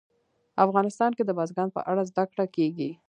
افغانستان کې د بزګان په اړه زده کړه کېږي.